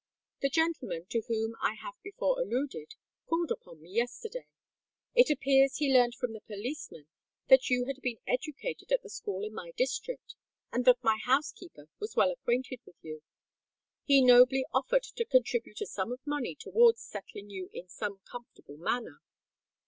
"The gentleman, to whom I have before alluded, called upon me yesterday. It appears he learnt from the policeman that you had been educated at the school in my district, and that my housekeeper was well acquainted with you. He nobly offered to contribute a sum of money towards settling you in some comfortable manner."